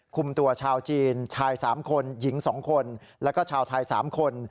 คุมตัวชาวจีนชาย๓คนหญิง๒คนแล้วก็ชาวไทย๓คน